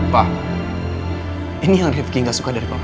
pak ini yang rifki gak suka dari papa